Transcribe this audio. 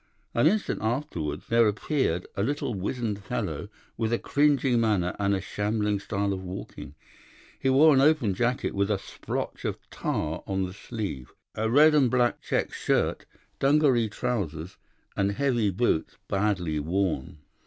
An instant afterwards there appeared a little wizened fellow with a cringing manner and a shambling style of walking. He wore an open jacket, with a splotch of tar on the sleeve, a red and black check shirt, dungaree trousers, and heavy boots badly worn.